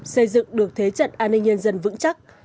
xây dựng được thế trận an ninh nhân dân vững chắc